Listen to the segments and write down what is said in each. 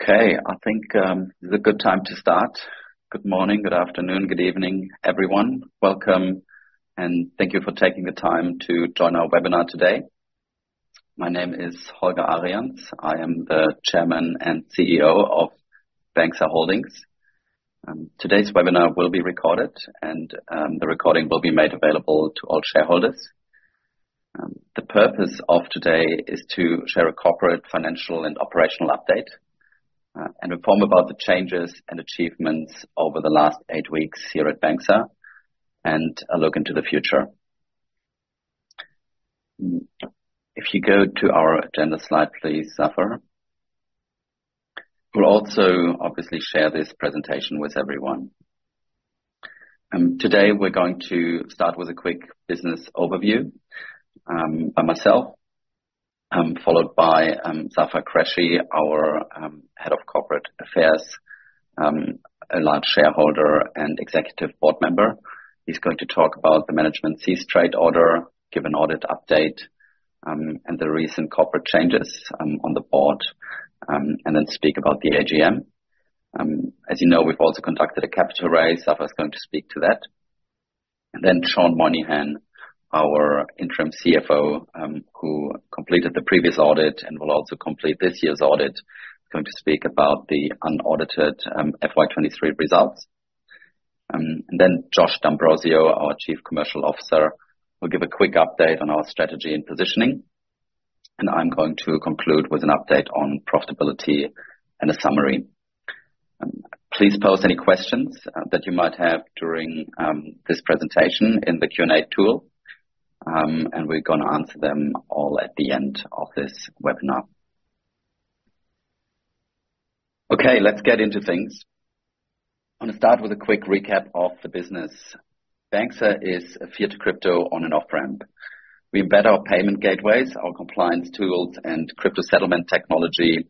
Okay, I think it's a good time to start. Good morning, good afternoon, good evening, everyone. Welcome, and thank you for taking the time to join our webinar today. My name is Holger Arians. I am the Chairman and CEO of Banxa Holdings. Today's webinar will be recorded, and the recording will be made available to all shareholders. The purpose of today is to share a corporate, financial, and operational update, and inform about the changes and achievements over the last eight weeks here at Banxa, and a look into the future. If you go to our agenda slide, please, Zafer. We'll also obviously share this presentation with everyone. Today we're going to start with a quick business overview by myself, followed by Zafer Qureshi, our Head of Corporate Affairs, a large shareholder and Executive Board Member. He's going to talk about the Management Cease Trade Order, give an audit update, and the recent corporate changes on the board, and then speak about the AGM. As you know, we've also conducted a capital raise. Zafer is going to speak to that. And then Sean Moynihan, our interim CFO, who completed the previous audit and will also complete this year's audit, is going to speak about the unaudited FY 2023 results. And then Josh D'Ambrosio, our Chief Commercial Officer, will give a quick update on our strategy and positioning. And I'm going to conclude with an update on profitability and a summary. Please post any questions that you might have during this presentation in the Q&A tool, and we're gonna answer them all at the end of this webinar. Okay, let's get into things. I'm gonna start with a quick recap of the business. Banxa is a fiat crypto on and off-ramp. We embed our payment gateways, our compliance tools, and crypto settlement technology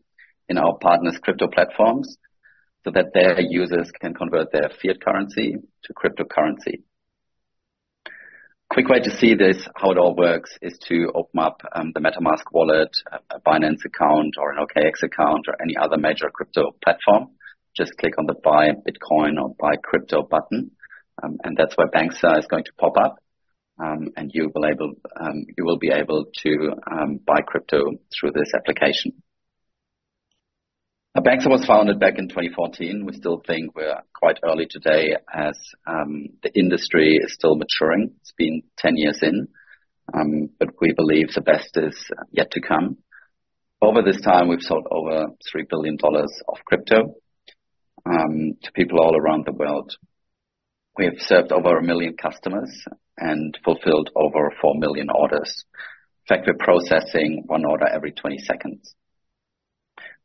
in our partners' crypto platforms, so that their users can convert their fiat currency to cryptocurrency. Quick way to see this, how it all works, is to open up the MetaMask wallet, a Binance account, or an OKX account, or any other major crypto platform. Just click on the Buy Bitcoin or Buy Crypto button, and that's where Banxa is going to pop up, and you will be able to buy crypto through this application. Now, Banxa was founded back in 2014. We still think we're quite early today as the industry is still maturing. It's been 10 years in, but we believe the best is yet to come. Over this time, we've sold over $3 billion of crypto to people all around the world. We have served over 1 million customers and fulfilled over 4 million orders. In fact, we're processing 1 order every 20 seconds.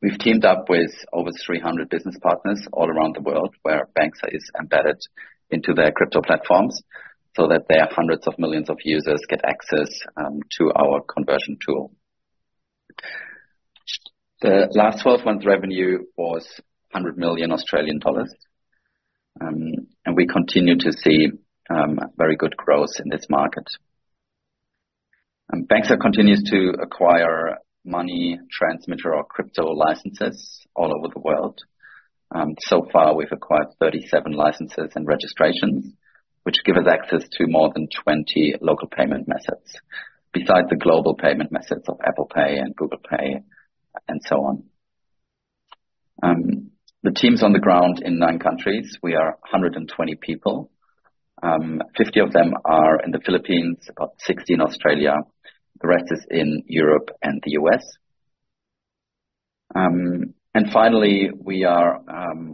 We've teamed up with over 300 business partners all around the world, where Banxa is embedded into their crypto platforms, so that their hundreds of millions of users get access to our conversion tool. The last 12 months' revenue was 100 million Australian dollars, and we continue to see very good growth in this market. Banxa continues to acquire money transmitter or crypto licenses all over the world. So far, we've acquired 37 licenses and registrations, which give us access to more than 20 local payment methods, besides the global payment methods of Apple Pay and Google Pay, and so on. The team's on the ground in 9 countries. We are 120 people. 50 of them are in the Philippines, about 60 in Australia. The rest is in Europe and the U.S. And finally, we are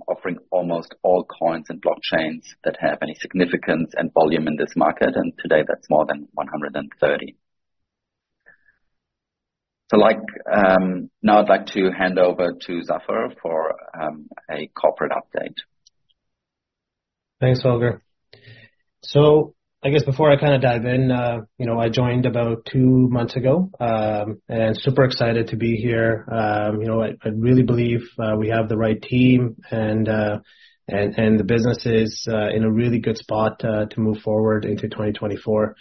offering almost all coins and blockchains that have any significance and volume in this market, and today that's more than 130. So like... Now I'd like to hand over to Zafer for a corporate update. Thanks, Holger. So I guess before I kind of dive in, you know, I joined about two months ago, and super excited to be here. You know, I really believe we have the right team and the business is in a really good spot to move forward into 2024.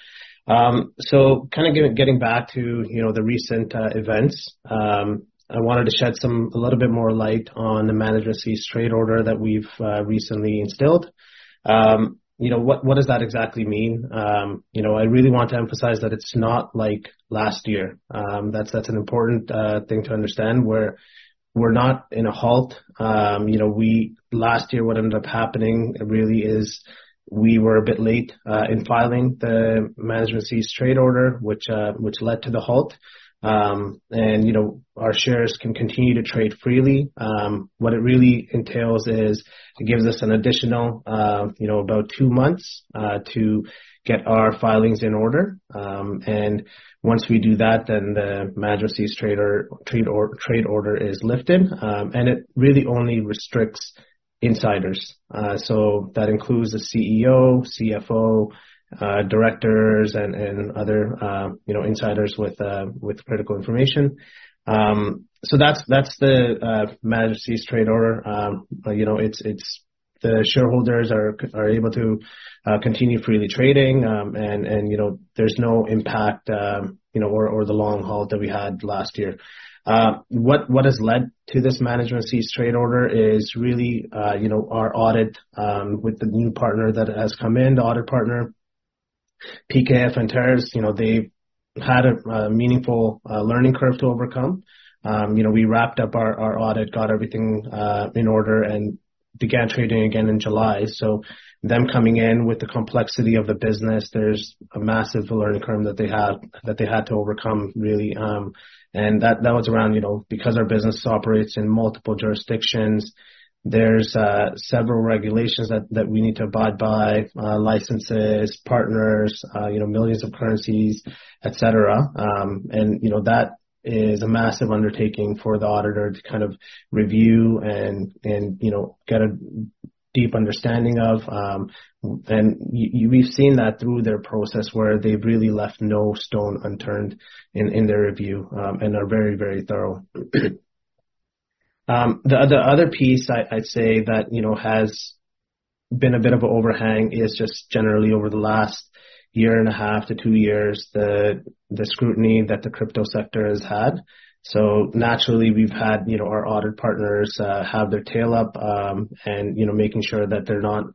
So kind of getting back to, you know, the recent events, I wanted to shed a little bit more light on the Management Cease Trade Order that we've recently instilled. You know, what does that exactly mean? You know, I really want to emphasize that it's not like last year. That's an important thing to understand, where we're not in a halt. You know, we last year, what ended up happening really is we were a bit late in filing the Management Cease Trade Order, which led to the halt. And, you know, our shares can continue to trade freely. What it really entails is, it gives us an additional, you know, about two months to get our filings in order. And once we do that, then the Management Cease Trade Order is lifted, and it really only restricts insiders. So that includes the CEO, CFO, directors and other, you know, insiders with critical information. So that's the Management Cease Trade Order. But you know, it's the shareholders are able to continue freely trading, and you know, there's no impact you know over the long haul that we had last year. What has led to this Management Cease Trade Order is really you know our audit with the new partner that has come in, the audit partner, PKF Antares, you know they've had a meaningful learning curve to overcome. You know, we wrapped up our audit, got everything in order and began trading again in July. So them coming in with the complexity of the business, there's a massive learning curve that they had to overcome, really. And that was around, you know, because our business operates in multiple jurisdictions, there's several regulations that we need to abide by, licenses, partners, you know, millions of currencies, et cetera. And, you know, that is a massive undertaking for the auditor to kind of review and, you know, get a deep understanding of. We've seen that through their process, where they've really left no stone unturned in their review, and are very, very thorough. The other piece I'd say that, you know, has been a bit of a overhang is just generally over the last year and a half to two years, the scrutiny that the crypto sector has had. So naturally, we've had, you know, our audit partners have their tail up, and, you know, making sure that they're not,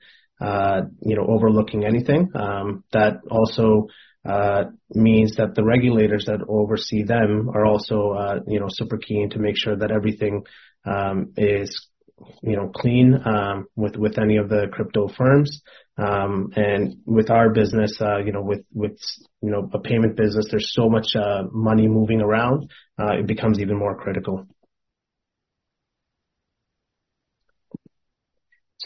you know, overlooking anything. That also means that the regulators that oversee them are also, you know, super keen to make sure that everything is, you know, clean with any of the crypto firms. And with our business, you know, with a payment business, there's so much money moving around, it becomes even more critical.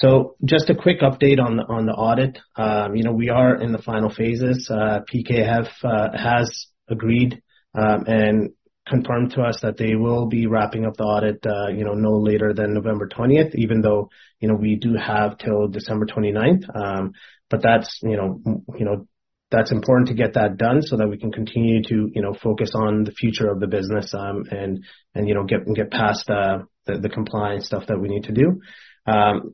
So just a quick update on the audit. You know, we are in the final phases. PKF has agreed and confirmed to us that they will be wrapping up the audit, you know, no later than November 20, even though, you know, we do have till December 29. But that's, you know, that's important to get that done so that we can continue to, you know, focus on the future of the business, and you know, get past the compliance stuff that we need to do.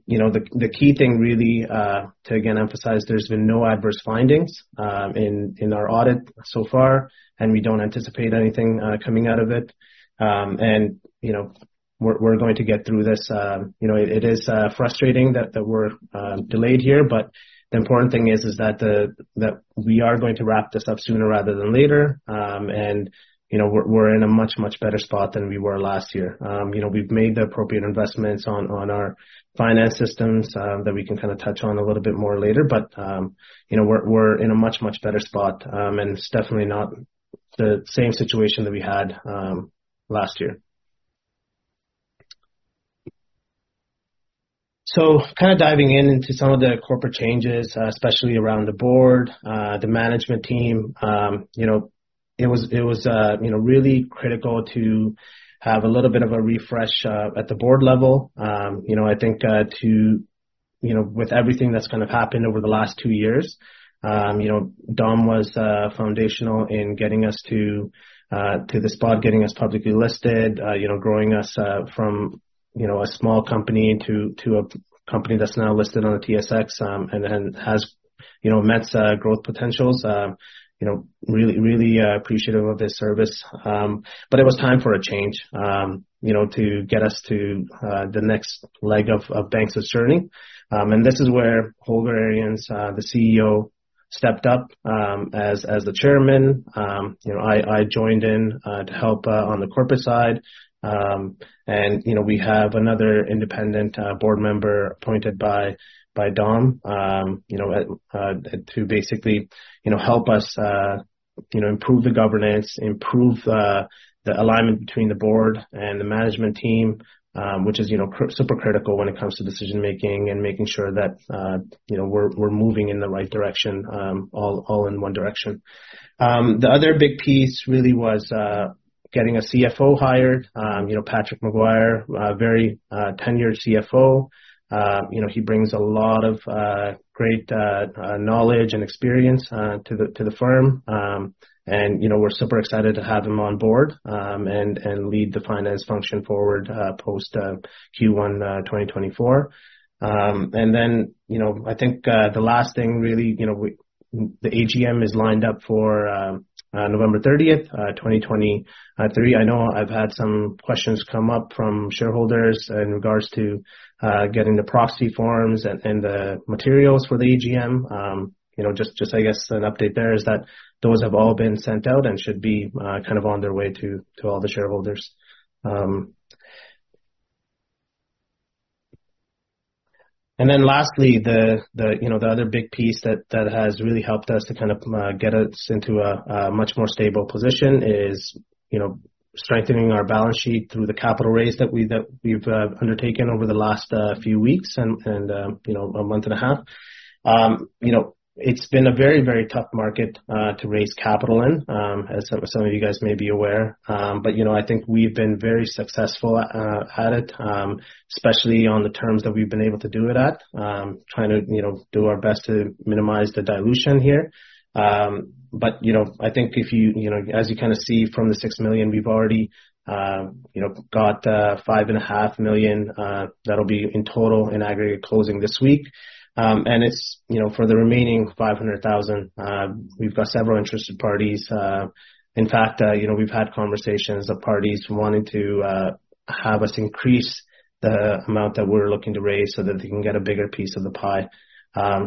You know, the key thing really to again emphasize, there's been no adverse findings in our audit so far, and we don't anticipate anything coming out of it. And, you know, we're going to get through this. You know, it is frustrating that we're delayed here, but the important thing is that we are going to wrap this up sooner rather than later. And, you know, we're in a much better spot than we were last year. You know, we've made the appropriate investments on our finance systems that we can kind of touch on a little bit more later. But you know, we're in a much, much better spot, and it's definitely not the same situation that we had last year. So kind of diving in into some of the corporate changes, especially around the board, the management team. You know, it was you know, really critical to have a little bit of a refresh at the board level. You know, I think, you know, with everything that's kind of happened over the last two years, you know, Dom was foundational in getting us to this spot, getting us publicly listed, you know, growing us from you know, a small company to a company that's now listed on the TSX, and then has you know, met growth potentials. You know, really, really appreciative of his service. But it was time for a change, you know, to get us to the next leg of Banxa's journey. And this is where Holger Arians, the CEO, stepped up as the chairman. You know, I joined in to help on the corporate side. And, you know, we have another independent board member appointed by Dom, you know, to basically, you know, help us, you know, improve the governance, improve the alignment between the board and the management team, which is, you know, super critical when it comes to decision-making and making sure that, you know, we're moving in the right direction, all in one direction. The other big piece really was getting a CFO hired. You know, Patrick Maguire, a very tenured CFO. You know, he brings a lot of great knowledge and experience to the firm. And, you know, we're super excited to have him on board and lead the finance function forward post Q1 2024. And then, you know, I think, the last thing really, you know, the AGM is lined up for November 30, 2023. I know I've had some questions come up from shareholders in regards to getting the proxy forms and, and the materials for the AGM. You know, just, just I guess an update there is that those have all been sent out and should be kind of on their way to all the shareholders. And then lastly, you know, the other big piece that has really helped us to kind of get us into a much more stable position is, you know, strengthening our balance sheet through the capital raise that we've undertaken over the last few weeks and, you know, a month and a half. You know, it's been a very, very tough market to raise capital in, as some of you guys may be aware. But, you know, I think we've been very successful at it, especially on the terms that we've been able to do it at. Trying to, you know, do our best to minimize the dilution here. But, you know, I think if you, you know, as you kind of see from the $6 million, we've already, you know, got $5.5 million, that'll be in total in aggregate closing this week. And it's, you know, for the remaining $500,000, we've got several interested parties. In fact, you know, we've had conversations of parties wanting to have us increase the amount that we're looking to raise so that they can get a bigger piece of the pie.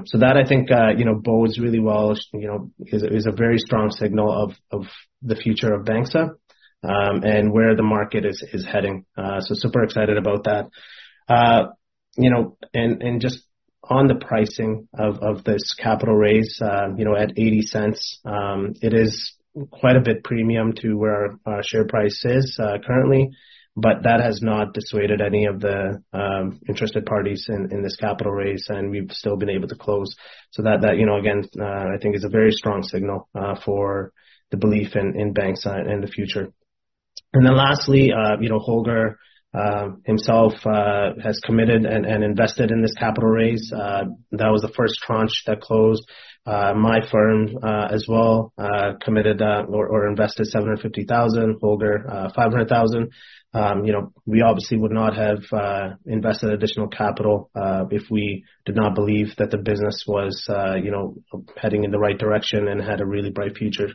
So that I think, you know, bodes really well, you know, is a very strong signal of the future of Banxa, and where the market is heading. So super excited about that... You know, and just on the pricing of this capital raise, you know, at 0.80, it is quite a bit premium to where our share price is currently, but that has not dissuaded any of the interested parties in this capital raise, and we've still been able to close. So that, you know, again, I think is a very strong signal for the belief in Banxa in the future. And then lastly, you know, Holger himself has committed and invested in this capital raise. That was the first tranche that closed. My firm as well committed or invested 750,000, Holger 500,000. You know, we obviously would not have invested additional capital if we did not believe that the business was you know, heading in the right direction and had a really bright future.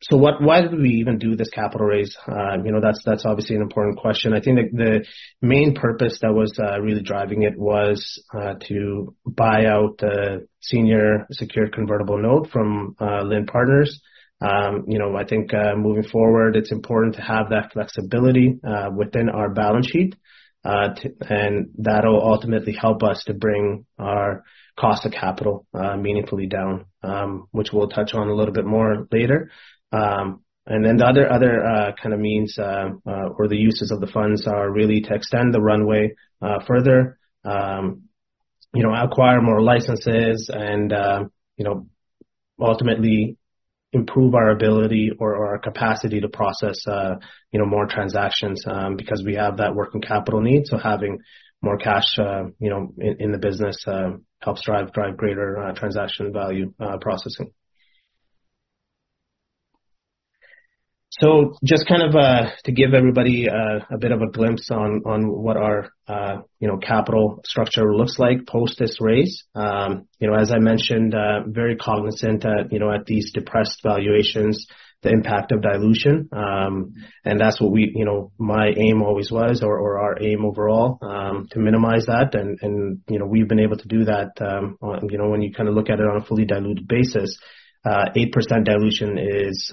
So why did we even do this capital raise? You know, that's, that's obviously an important question. I think the, the main purpose that was really driving it was to buy out the Senior Secured Convertible Note from Lind Partners. You know, I think moving forward, it's important to have that flexibility within our balance sheet. And that'll ultimately help us to bring our cost of capital meaningfully down, which we'll touch on a little bit more later. The other kind of means, or the uses of the funds are really to extend the runway further. You know, acquire more licenses and, you know, ultimately improve our ability or our capacity to process, you know, more transactions, because we have that working capital need. So having more cash, you know, in the business, helps drive greater transaction value processing. So just kind of, to give everybody a bit of a glimpse on what our, you know, capital structure looks like post this raise. You know, as I mentioned, very cognizant that, you know, at these depressed valuations, the impact of dilution, and that's what we... You know, my aim always was, or our aim overall, to minimize that. You know, we've been able to do that, you know, when you kind of look at it on a fully diluted basis, 8% dilution is,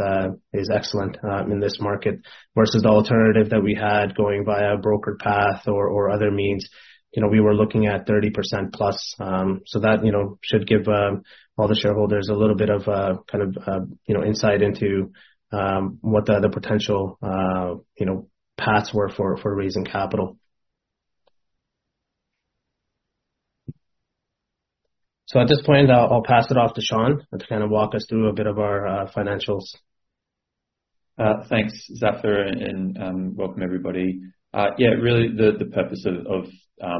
is excellent, in this market, versus the alternative that we had going via brokered path or, or other means. You know, we were looking at 30% plus. So that, you know, should give all the shareholders a little bit of, kind of, you know, insight into what the, the potential, you know, paths were for, for raising capital. So at this point, I'll, I'll pass it off to Sean to kind of walk us through a bit of our financials. Thanks, Zafer, and welcome, everybody. Yeah, really the purpose of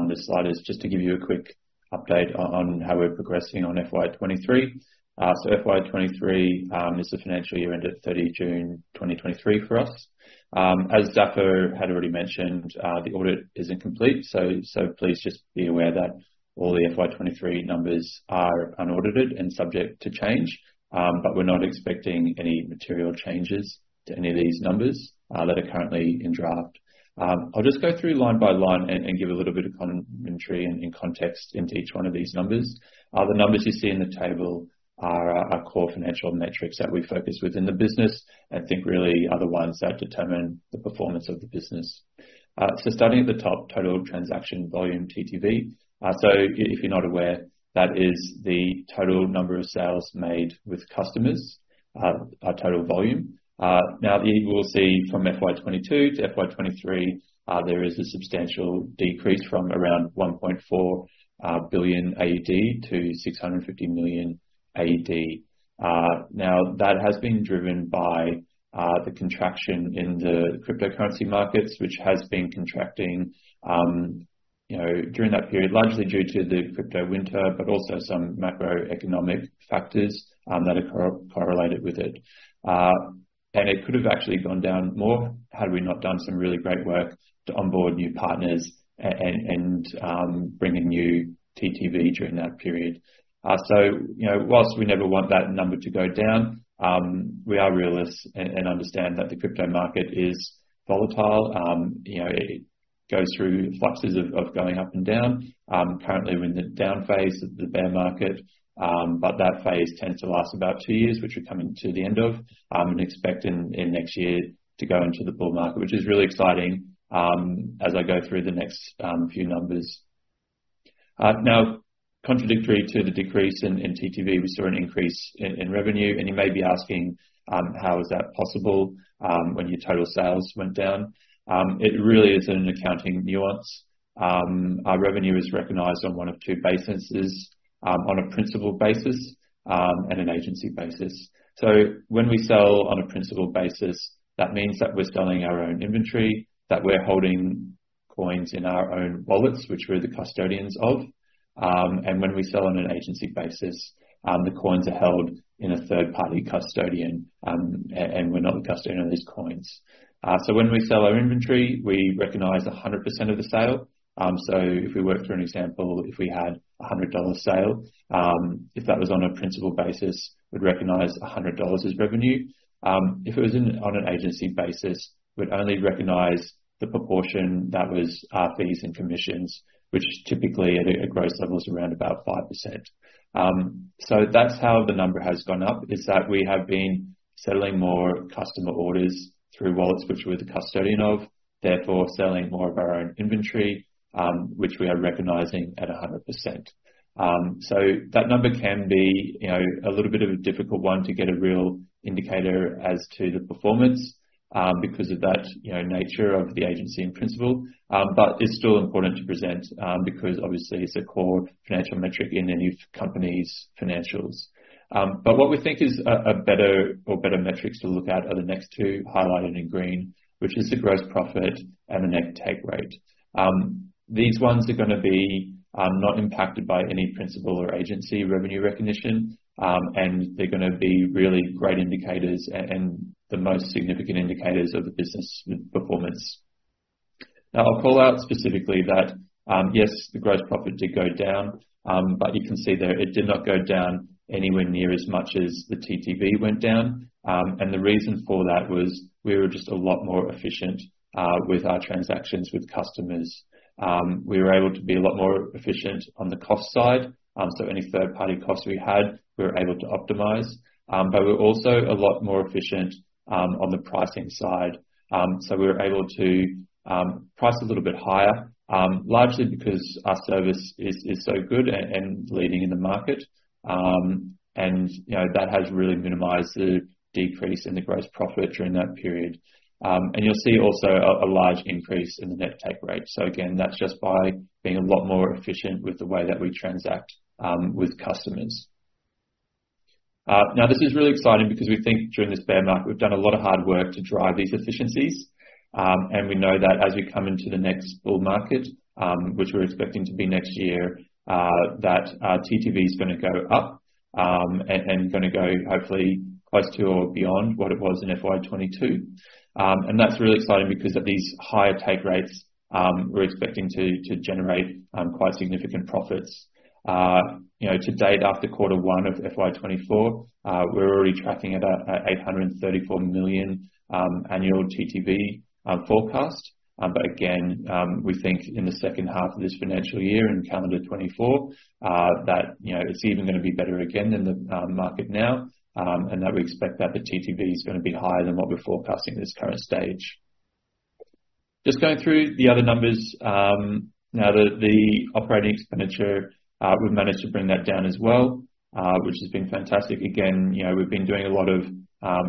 this slide is just to give you a quick update on how we're progressing on FY 2023. So FY 2023 is the financial year end at 30 June 2023 for us. As Zafer had already mentioned, the audit is incomplete, so please just be aware that all the FY 2023 numbers are unaudited and subject to change, but we're not expecting any material changes to any of these numbers that are currently in draft. I'll just go through line by line and give a little bit of commentary and context into each one of these numbers. The numbers you see in the table are our, our core financial metrics that we focus within the business, and I think really are the ones that determine the performance of the business. So starting at the top, Total Transaction Volume, TTV. So if you're not aware, that is the total number of sales made with customers, total volume. Now, you will see from FY 2022 to FY 2023, there is a substantial decrease from around 1.4 billion AUD to 650 million AUD. Now, that has been driven by the contraction in the cryptocurrency markets, which has been contracting, you know, during that period, largely due to the crypto winter, but also some macroeconomic factors that are correlated with it. And it could have actually gone down more, had we not done some really great work to onboard new partners and bring in new TTV during that period. So, you know, while we never want that number to go down, we are realists and understand that the crypto market is volatile. You know, it goes through fluxes of going up and down. Currently we're in the down phase of the bear market, but that phase tends to last about two years, which we're coming to the end of, and expecting in next year to go into the bull market, which is really exciting, as I go through the next few numbers. Now, contradictory to the decrease in TTV, we saw an increase in revenue, and you may be asking, "How is that possible, when your total sales went down?" It really is an accounting nuance. Our revenue is recognized on one of two bases, on a principal basis, and an agency basis. So when we sell on a principal basis, that means that we're selling our own inventory, that we're holding coins in our own wallets, which we're the custodians of, and when we sell on an agency basis, the coins are held in a third-party custodian, and we're not the custodian of these coins. So when we sell our inventory, we recognize 100% of the sale. So if we work through an example, if we had a $100 sale, if that was on a principal basis, we'd recognize $100 as revenue. If it was on an agency basis, we'd only recognize the proportion that was fees and commissions, which is typically at gross levels around about 5%. So that's how the number has gone up, is that we have been settling more customer orders through wallets which we're the custodian of, therefore, selling more of our own inventory, which we are recognizing at 100%. So that number can be, you know, a little bit of a difficult one to get a real indicator as to the performance, because of that, you know, nature of the agency and principal. But it's still important to present, because obviously it's a core financial metric in any company's financials. But what we think is a better or better metrics to look at are the next two highlighted in green, which is the Gross Profit and the Net Take Rate. These ones are gonna be not impacted by any principal or agency revenue recognition, and they're gonna be really great indicators and the most significant indicators of the business performance. Now, I'll call out specifically that, yes, the Gross Profit did go down, but you can see there, it did not go down anywhere near as much as the TTV went down. And the reason for that was we were just a lot more efficient with our transactions with customers. We were able to be a lot more efficient on the cost side. So any third-party costs we had, we were able to optimize. But we're also a lot more efficient on the pricing side. So we were able to price a little bit higher, largely because our service is so good and leading in the market. And, you know, that has really minimized the decrease in the gross profit during that period. And you'll see also a large increase in the net take rate. So again, that's just by being a lot more efficient with the way that we transact with customers. Now, this is really exciting because we think during this bear market, we've done a lot of hard work to drive these efficiencies. And we know that as we come into the next bull market, which we're expecting to be next year, that TTV is gonna go up and gonna go hopefully close to or beyond what it was in FY 2022. And that's really exciting because at these higher take rates, we're expecting to generate quite significant profits. You know, to date, after quarter one of FY 2024, we're already tracking at a $834 million annual TTV forecast. But again, we think in the second half of this financial year, in calendar 2024, that you know, it's even gonna be better again than the market now, and that we expect that the TTV is gonna be higher than what we're forecasting at this current stage. Just going through the other numbers, now, the operating expenditure, we've managed to bring that down as well, which has been fantastic. Again, you know, we've been doing a lot of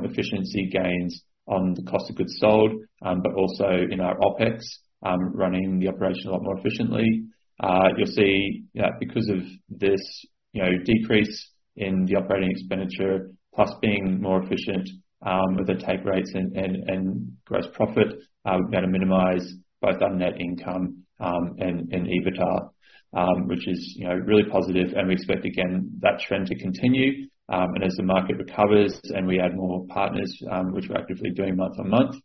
efficiency gains on the cost of goods sold, but also in our OpEx, running the operation a lot more efficiently. You'll see that because of this, you know, decrease in the operating expenditure, plus being more efficient with the take rates and gross profit, we've been able to minimize both our net income and EBITDA, which is, you know, really positive and we expect again, that trend to continue. As the market recovers and we add more partners, which we're actively doing month-on-month,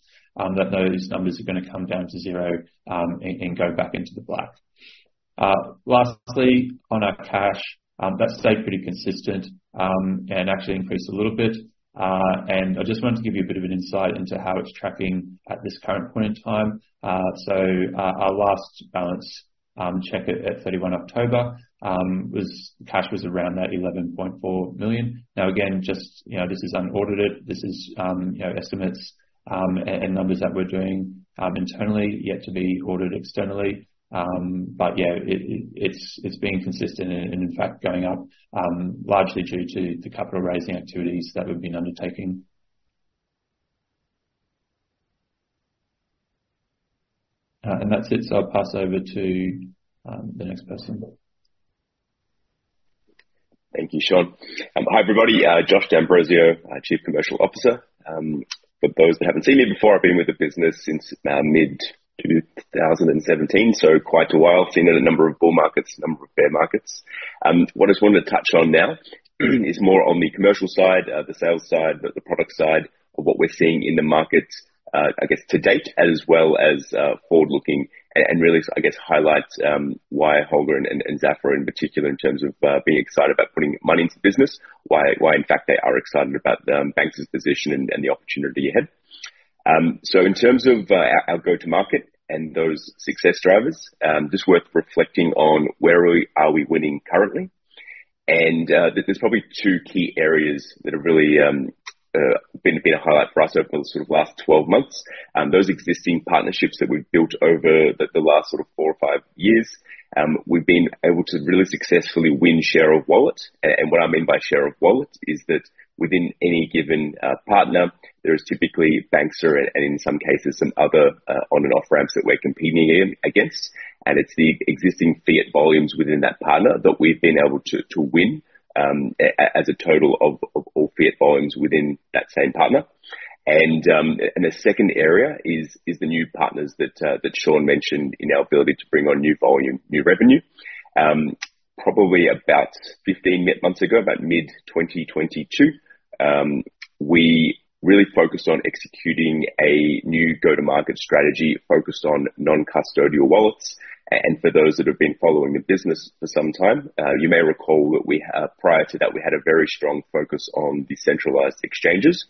those numbers are gonna come down to zero, and go back into the black. Lastly, on our cash, that stayed pretty consistent, and actually increased a little bit. I just wanted to give you a bit of an insight into how it's tracking at this current point in time. So, our last balance check as at 31 October was... Cash was around that $11.4 million. Now, again, just, you know, this is unaudited. This is, you know, estimates, and numbers that we're doing, internally, yet to be audited externally. But yeah, it's been consistent and in fact, going up, largely due to the capital-raising activities that we've been undertaking. And that's it. So I'll pass over to the next person. Thank you, Sean. Hi, everybody, Josh D'Ambrosio, Chief Commercial Officer. For those that haven't seen me before, I've been with the business since mid-2017, so quite a while. Seen it a number of bull markets, a number of bear markets. What I just wanted to touch on now is more on the commercial side, the sales side, the product side of what we're seeing in the markets, I guess, to date, as well as forward-looking and really, I guess, highlight why Holger and Zafer, in particular, in terms of being excited about putting money into the business, why, in fact, they are excited about Banxa's position and the opportunity ahead. So in terms of our go-to-market and those success drivers, just worth reflecting on where are we, are we winning currently? And there's probably 2 key areas that have really been a highlight for us over the sort of last 12 months. Those existing partnerships that we've built over the last sort of 4 or 5 years, we've been able to really successfully win share of wallet. And what I mean by share of wallet is that within any given partner, there is typically Banxa and in some cases some other on and off-ramps that we're competing against, and it's the existing fiat volumes within that partner that we've been able to win as a total of all fiat volumes within that same partner. And the second area is the new partners that Sean mentioned in our ability to bring on new volume, new revenue. Probably about 15 months ago, about mid-2022, we really focused on executing a new go-to-market strategy focused on non-custodial wallets. And for those that have been following the business for some time, you may recall that we, prior to that, we had a very strong focus on decentralized exchanges.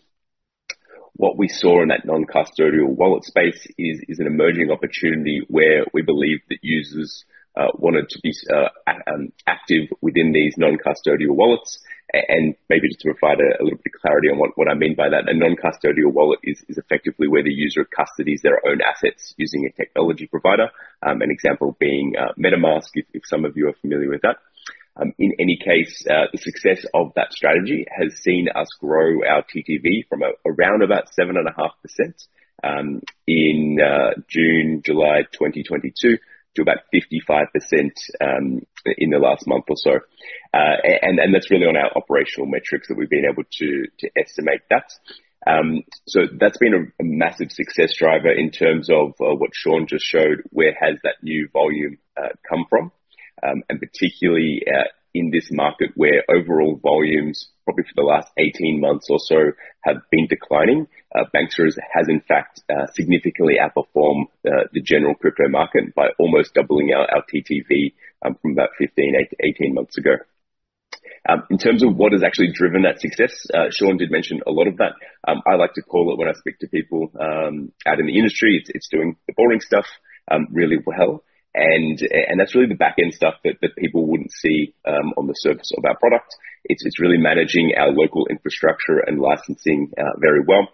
What we saw in that non-custodial wallet space is an emerging opportunity where we believe that users wanted to be active within these non-custodial wallets. And maybe just to provide a little bit of clarity on what I mean by that, a non-custodial wallet is effectively where the user custodies their own assets using a technology provider. An example being, MetaMask, if some of you are familiar with that. In any case, the success of that strategy has seen us grow our TTV from around about 7.5% in June, July 2022, to about 55% in the last month or so. And that's really on our operational metrics that we've been able to estimate that. So that's been a massive success driver in terms of what Sean just showed, where has that new volume come from? And particularly, in this market, where overall volumes, probably for the last 18 months or so, have been declining, Banxa has, in fact, significantly outperformed the general crypto market by almost doubling our TTV from about 15 to 18 months ago. In terms of what has actually driven that success, Sean did mention a lot of that. I like to call it when I speak to people out in the industry, it's doing the boring stuff really well, and that's really the back-end stuff that people wouldn't see on the surface of our product. It's really managing our local infrastructure and licensing very well.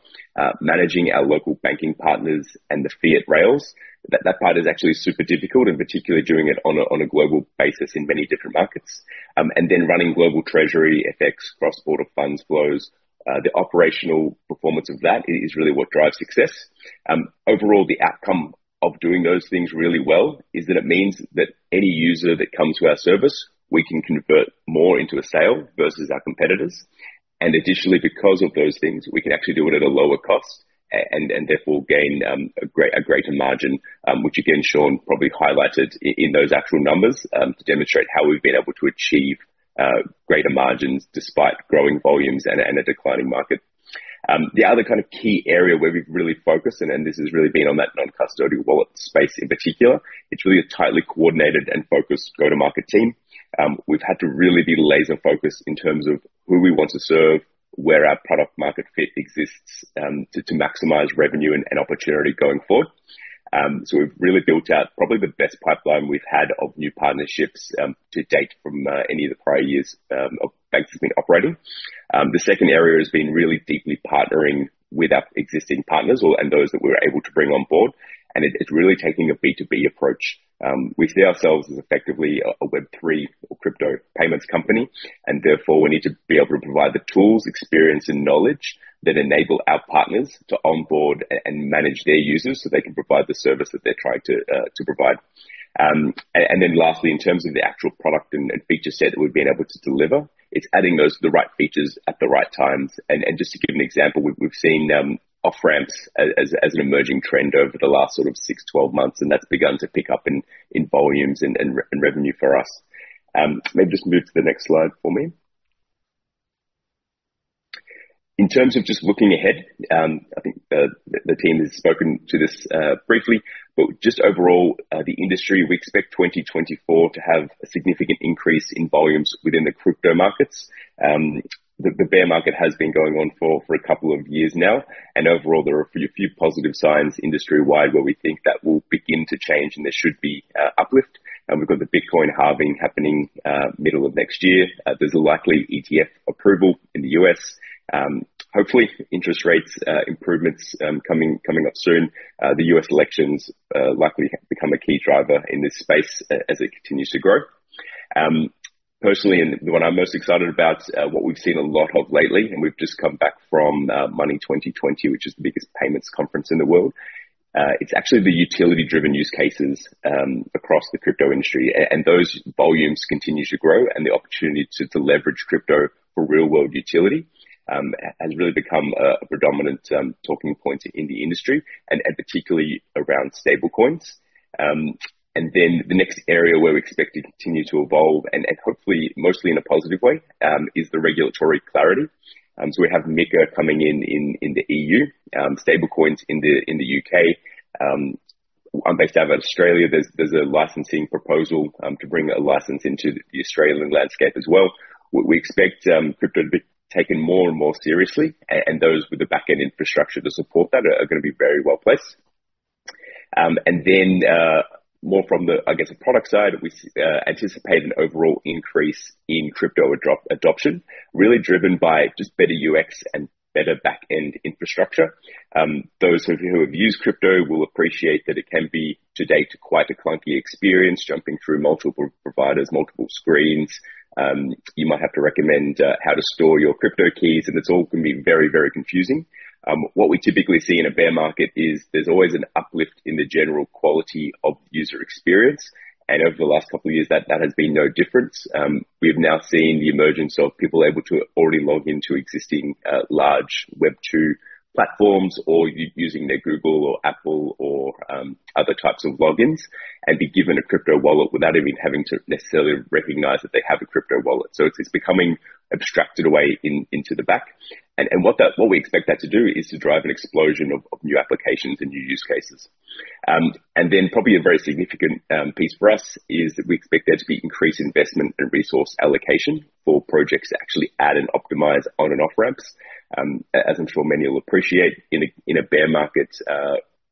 Managing our local banking partners and the fiat rails. That, that part is actually super difficult, and particularly doing it on a, on a global basis in many different markets. And then running global treasury, FX, cross-border funds flows. The operational performance of that is really what drives success. Overall, the outcome of doing those things really well, is that it means that any user that comes to our service, we can convert more into a sale versus our competitors. And additionally, because of those things, we can actually do it at a lower cost and, and therefore gain a greater margin. Which again, Sean probably highlighted in those actual numbers, to demonstrate how we've been able to achieve greater margins despite growing volumes and a declining market. The other kind of key area where we've really focused, and this has really been on that non-custodial wallet space in particular. It's really a tightly coordinated and focused go-to-market team. We've had to really be laser-focused in terms of who we want to serve, where our product market fit exists, to maximize revenue and opportunity going forward. So we've really built out probably the best pipeline we've had of new partnerships to date from any of the prior years of Banxa's been operating. The second area has been really deeply partnering with our existing partners and those that we're able to bring on board, and it's really taking a B2B approach. We see ourselves as effectively a Web3 crypto payments company, and therefore, we need to be able to provide the tools, experience, and knowledge that enable our partners to onboard and manage their users, so they can provide the service that they're trying to provide. And then lastly, in terms of the actual product and feature set that we've been able to deliver, it's adding the right features at the right times. And just to give an example, we've seen off-ramps as an emerging trend over the last sort of 6-12 months, and that's begun to pick up in volumes and revenue for us. Maybe just move to the next slide for me. In terms of just looking ahead, I think the team has spoken to this briefly, but just overall, the industry, we expect 2024 to have a significant increase in volumes within the crypto markets. The bear market has been going on for a couple of years now, and overall, there are a few positive signs industry-wide, where we think that will begin to change, and there should be an uplift. And we've got the Bitcoin Halving happening middle of next year. There's a likely ETF approval in the U.S. Hopefully, interest rates improvements coming up soon. The U.S. elections likely become a key driver in this space as it continues to grow. Personally, and what I'm most excited about, what we've seen a lot of lately, and we've just come back from Money20/20, which is the biggest payments conference in the world. It's actually the utility-driven use cases across the crypto industry, and those volumes continue to grow, and the opportunity to leverage crypto for real-world utility has really become a predominant talking point in the industry and particularly around stablecoins. And then the next area where we expect to continue to evolve and hopefully, mostly in a positive way, is the regulatory clarity. So we have MiCA coming in in the E.U., stablecoins in the U.K. Based out of Australia, there's a licensing proposal to bring a license into the Australian landscape as well. We expect crypto to be taken more and more seriously, and those with the back-end infrastructure to support that are gonna be very well placed. And then, more from the, I guess, the product side, we anticipate an overall increase in crypto adoption, really driven by just better UX and better back-end infrastructure. Those of you who have used crypto will appreciate that it can be, to date, quite a clunky experience, jumping through multiple providers, multiple screens. You might have to recommend how to store your crypto keys, and it's all gonna be very, very confusing. What we typically see in a bear market is there's always an uplift in the general quality of user experience, and over the last couple of years, that has been no different. We've now seen the emergence of people able to already log in to existing, large Web2 platforms or using their Google or Apple or other types of logins, and be given a crypto wallet without even having to necessarily recognize that they have a crypto wallet. So it's becoming abstracted away into the back. And what that—what we expect that to do is to drive an explosion of new applications and new use cases. And then probably a very significant piece for us is that we expect there to be increased investment and resource allocation for projects to actually add and optimize on and off-ramps. As I'm sure many will appreciate, in a bear market,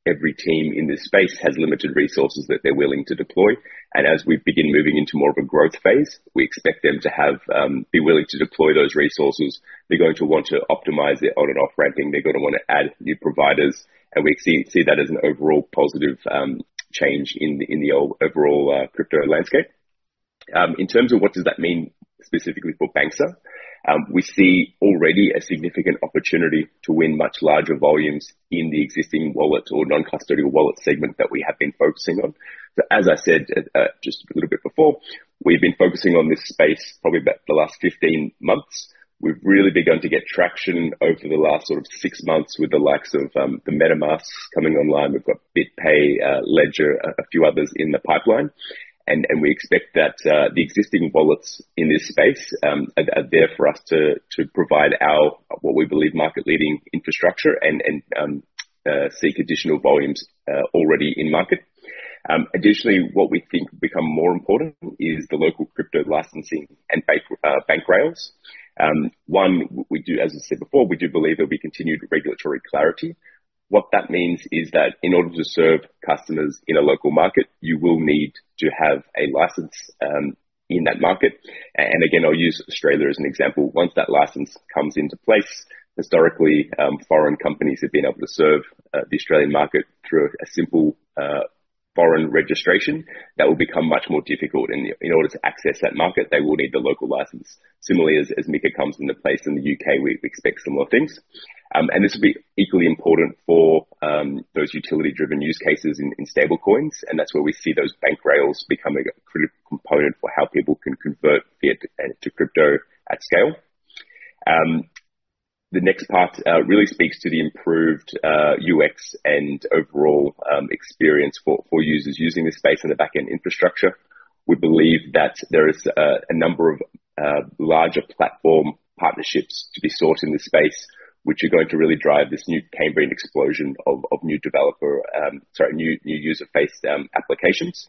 every team in this space has limited resources that they're willing to deploy, and as we begin moving into more of a growth phase, we expect them to have, be willing to deploy those resources. They're going to want to optimize their on and off-ramping. They're going to want to add new providers, and we see that as an overall positive change in the overall crypto landscape. In terms of what does that mean specifically for Banxa? We see already a significant opportunity to win much larger volumes in the existing wallet or non-custodial wallet segment that we have been focusing on. So as I said, just a little bit before, we've been focusing on this space probably about the last 15 months. We've really begun to get traction over the last sort of six months with the likes of the MetaMask coming online. We've got BitPay, Ledger, a few others in the pipeline, and we expect that the existing wallets in this space are there for us to provide our, what we believe, market-leading infrastructure and seek additional volumes already in market. Additionally, what we think will become more important is the local crypto licensing and bank rails. We do, as I said before, we do believe there'll be continued regulatory clarity. What that means is that in order to serve customers in a local market, you will need to have a license in that market. And again, I'll use Australia as an example. Once that license comes into place, historically, foreign companies have been able to serve the Australian market through a simple foreign registration that will become much more difficult, and in order to access that market, they will need the local license. Similarly, as MiCA comes into place in the UK, we expect similar things. And this will be equally important for those utility-driven use cases in stablecoins, and that's where we see those bank rails becoming a critical component for how people can convert fiat to crypto at scale. The next part really speaks to the improved UX and overall experience for users using this space and the back-end infrastructure. We believe that there is a number of larger platform partnerships to be sought in this space, which are going to really drive this new Cambrian explosion of new developer, sorry, new user face applications,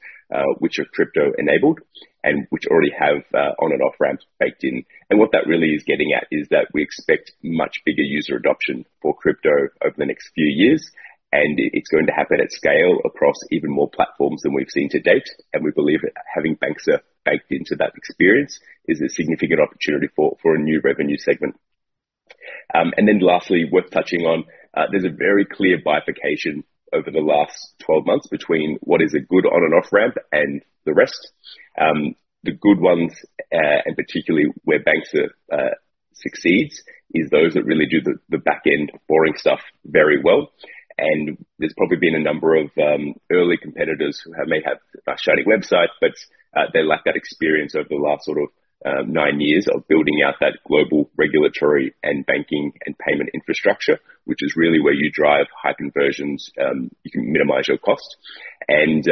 which are crypto-enabled and which already have on- and off-ramps baked in. What that really is getting at is that we expect much bigger user adoption for crypto over the next few years, and it's going to happen at scale across even more platforms than we've seen to date, and we believe that having Banxa baked into that experience is a significant opportunity for a new revenue segment. And then lastly, worth touching on, there's a very clear bifurcation over the last twelve months between what is a good on- and off-ramp and the rest. The good ones, and particularly where Banxa succeeds, is those that really do the back-end boring stuff very well. There's probably been a number of early competitors who may have a shiny website, but they lack that experience over the last sort of nine years of building out that global regulatory and banking and payment infrastructure, which is really where you drive high conversions, you can minimize your cost. And,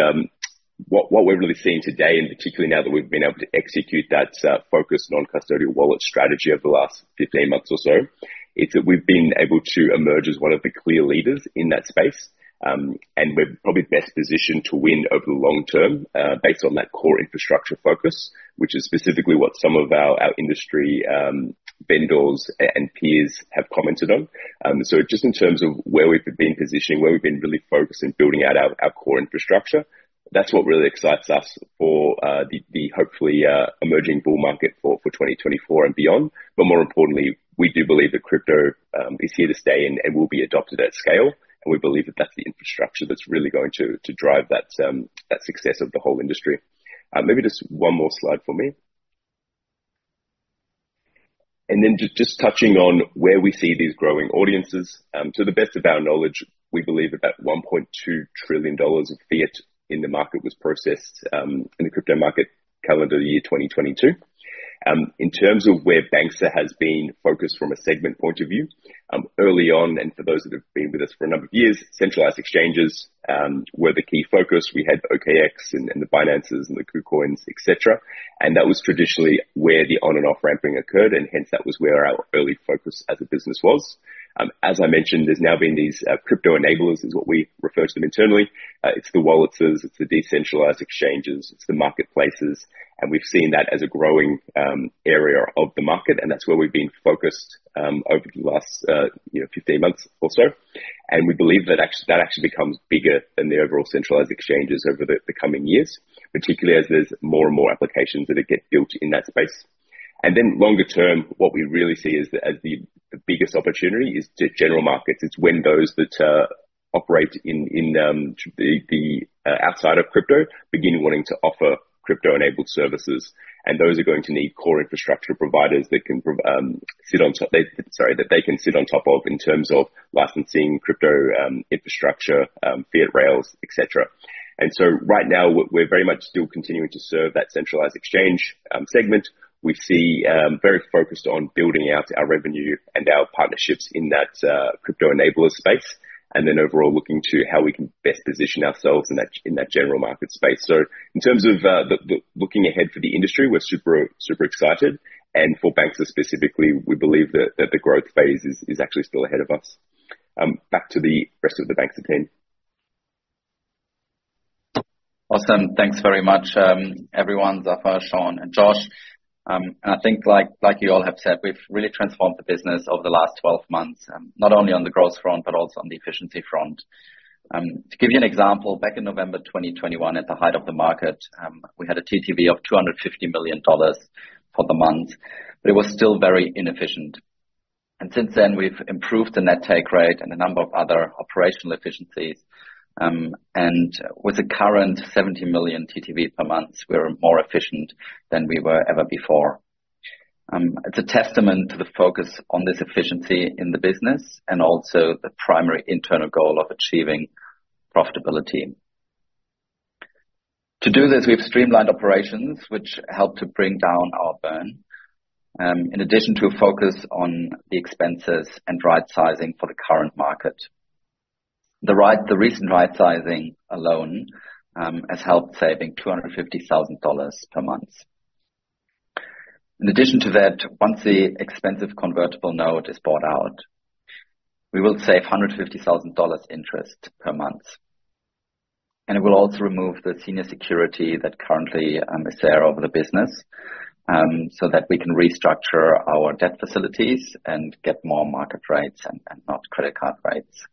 what we're really seeing today, and particularly now that we've been able to execute that focused non-custodial wallet strategy over the last 15 months or so, is that we've been able to emerge as one of the clear leaders in that space, and we're probably best positioned to win over the long term, based on that core infrastructure focus, which is specifically what some of our industry vendors and peers have commented on. So just in terms of where we've been positioning, where we've been really focused in building out our core infrastructure, that's what really excites us for the hopefully emerging bull market for 2024 and beyond. But more importantly, we do believe that crypto is here to stay and will be adopted at scale, and we believe that that's the infrastructure that's really going to drive that success of the whole industry. Maybe just one more slide for me. And then just touching on where we see these growing audiences. To the best of our knowledge, we believe about $1.2 trillion of fiat in the market was processed in the crypto market, calendar year 2022. In terms of where Banxa has been focused from a segment point of view, early on, and for those that have been with us for a number of years, centralized exchanges were the key focus. We had OKX and the Binances and the KuCoins, et cetera, and that was traditionally where the on and off-ramping occurred, and hence that was where our early focus as a business was. As I mentioned, there's now been these crypto enablers, is what we refer to them internally. It's the wallets, it's the decentralized exchanges, it's the marketplaces, and we've seen that as a growing area of the market, and that's where we've been focused over the last, you know, 15 months or so. And we believe that that actually becomes bigger than the overall centralized exchanges over the coming years, particularly as there's more and more applications that get built in that space. And then longer term, what we really see as the biggest opportunity is the general markets. It's when those that operate in the outside of crypto begin wanting to offer crypto-enabled services, and those are going to need core infrastructure providers that they can sit on top of in terms of licensing, crypto infrastructure, fiat rails, et cetera. And so right now, we're very much still continuing to serve that centralized exchange segment. We see very focused on building out our revenue and our partnerships in that crypto enabler space, and then overall, looking to how we can best position ourselves in that general market space. So in terms of the looking ahead for the industry, we're super, super excited. And for Banxa specifically, we believe that the growth phase is actually still ahead of us. Back to the rest of the Banxa team.... Awesome. Thanks very much, everyone, Zafer, Sean, and Josh. And I think like you all have said, we've really transformed the business over the last 12 months, not only on the growth front, but also on the efficiency front. To give you an example, back in November 2021, at the height of the market, we had a TTV of $250 million for the month, but it was still very inefficient. And since then, we've improved the net take rate and a number of other operational efficiencies. And with the current $70 million TTV per month, we're more efficient than we were ever before. It's a testament to the focus on this efficiency in the business and also the primary internal goal of achieving profitability. To do this, we've streamlined operations, which helped to bring down our burn, in addition to a focus on the expenses and right sizing for the current market. The recent right sizing alone has helped saving $250,000 per month. In addition to that, once the expensive convertible note is bought out, we will save $150,000 interest per month. It will also remove the senior security that currently is there over the business, so that we can restructure our debt facilities and get more market rates and, and not credit card rates.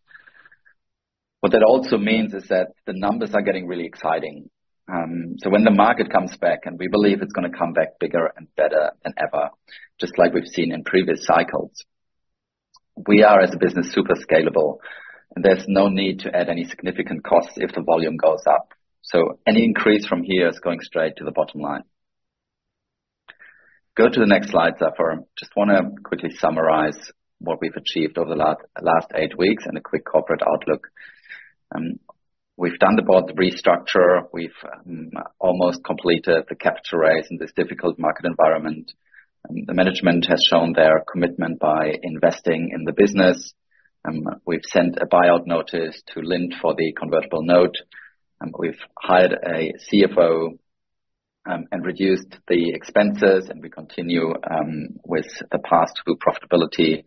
What that also means is that the numbers are getting really exciting. So when the market comes back, and we believe it's going to come back bigger and better than ever, just like we've seen in previous cycles, we are, as a business, super scalable, and there's no need to add any significant costs if the volume goes up. So any increase from here is going straight to the bottom line. Go to the next slide, Zafer. Just wanna quickly summarize what we've achieved over the last eight weeks and a quick corporate outlook. We've done the board restructure. We've almost completed the capital raise in this difficult market environment. The management has shown their commitment by investing in the business, and we've sent a buyout notice to Lind for the convertible note, and we've hired a CFO, and reduced the expenses, and we continue with the path to profitability,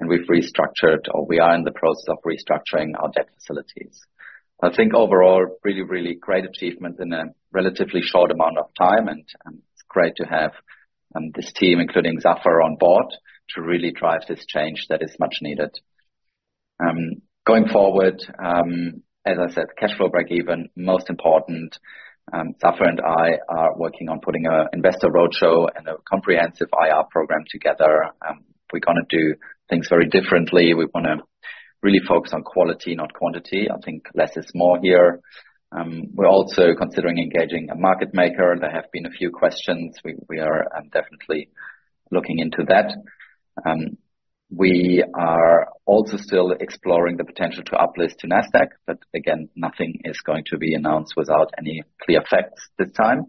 and we've restructured or we are in the process of restructuring our debt facilities. I think overall, really, really great achievement in a relatively short amount of time, and it's great to have this team, including Zafer, on board, to really drive this change that is much needed. Going forward, as I said, cash flow breakeven, most important, Zafer and I are working on putting a investor roadshow and a comprehensive IR program together. We're gonna do things very differently. We wanna really focus on quality, not quantity. I think less is more here. We're also considering engaging a market maker. There have been a few questions. We are definitely looking into that. We are also still exploring the potential to uplisting to Nasdaq, but again, nothing is going to be announced without any clear facts this time.